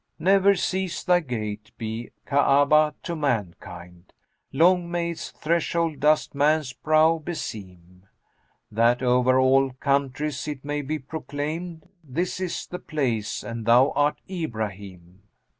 "Ne'er cease thy gate be Ka'abah to mankind; * Long may its threshold dust man's brow beseem! That o'er all countries it may be proclaimed, * This is the Place and thou art Ibrahim."